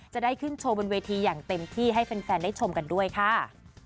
จะได้ขึ้นโชว์บนเวทีอย่างเต็มที่ให้แฟนได้ชมกันด้วยค่ะ